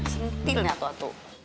sentil nih atuh atuh